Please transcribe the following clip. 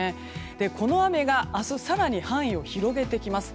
この雨が明日更に範囲を広げてきます。